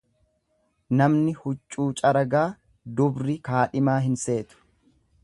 Namni huccuu caragaa dubri kaadhimaa hin seetu.